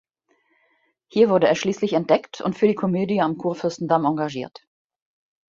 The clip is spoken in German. Hier wurde er schließlich entdeckt und für die Komödie am Kurfürstendamm engagiert.